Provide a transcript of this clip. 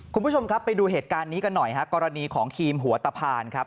คุณผู้ชมครับไปดูเหตุการณ์นี้กันหน่อยฮะกรณีของทีมหัวตะพานครับ